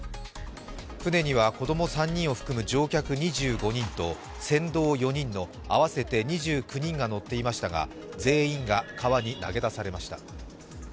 舟には、子供３人を含む乗客２５人と船頭４人の合わせて２９人が乗っていましたが全員が川に投げ出されました。